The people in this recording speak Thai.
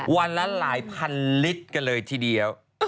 วันละหลายพันลิตรกันเลยทีเดียว